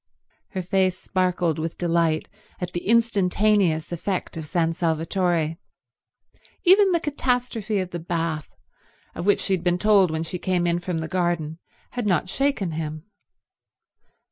Her face sparkled with delight at the instantaneous effect of San Salvatore. Even the catastrophe of the bath, of which she had been told when she came in from the garden, had not shaken him.